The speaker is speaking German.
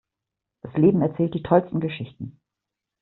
Das Leben erzählt die tollsten Geschichten.